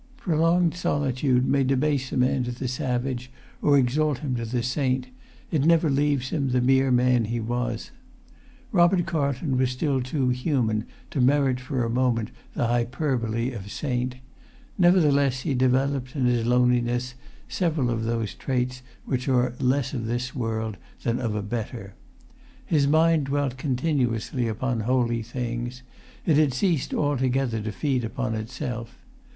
Prolonged solitude may debase a man to the savage or exalt him to the saint; it never leaves him the mere man he was. Robert Carlton was still too human to merit for a moment the hyperbole of saint; nevertheless he developed in his loneliness several of those traits which are less of this world than of a better. His mind dwelt continuously upon holy things; it had ceased altogether to feed upon itself.